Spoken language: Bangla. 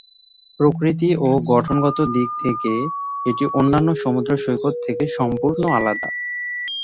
প্রকৃতি ও গঠনগত দিক থেকে এটি অন্যান্য সমুদ্র সৈকত থেকে সম্পূর্ণ আলাদা।